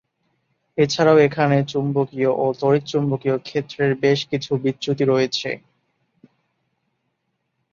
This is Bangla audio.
এছাড়াও এখানে চুম্বকীয় ও তড়িৎচুম্বকীয় ক্ষেত্রের বেশ কিছু বিচ্যুতি রয়েছে।